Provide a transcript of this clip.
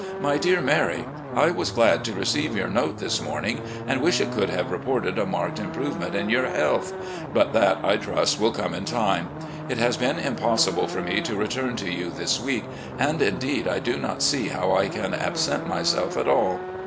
My Dear Mary: I was glad to receive your note this morning, and wish it could have reported a marked improvement in your health. But that, I trust, will come in time. It has been impossible for me to return to you this week, and, indeed, I do not see how I can absent myself at all.